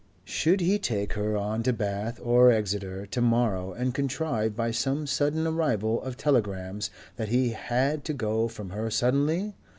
Should he take her on to Bath or Exeter to morrow and contrive by some sudden arrival of telegrams that he had to go from her suddenly?